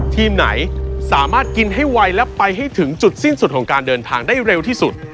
ทีมไหนสามารถกินให้ไวและไปให้ถึงจุดสิ้นสุดของการเดินทางได้เร็วที่สุด